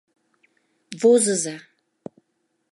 — Возыза.